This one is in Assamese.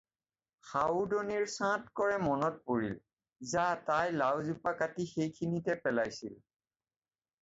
সাউদনীৰ ছাঁট কৰে মনত পৰিল যা তাই লাওজোপা কাটি সেইখিনিতে পেলাইছিল।